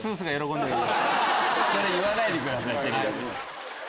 それ言わないでくださいテレビで。